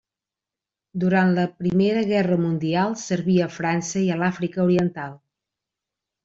Durant la Primera Guerra Mundial serví a França i a l'Àfrica oriental.